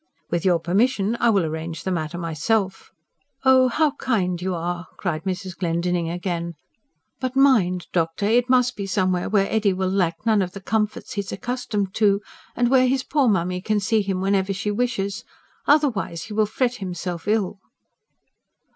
"With your permission I will arrange the matter myself." "Oh, how kind you are!" cried Mrs. Glendinning again. "But mind, doctor, it must be somewhere where Eddy will lack none of the comforts he is accustomed to, and where his poor mammy can see him whenever she wishes. Otherwise he will fret himself ill."